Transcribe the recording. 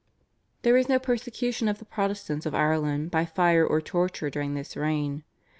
There was no persecution of the Protestants of Ireland by fire or torture during this reign.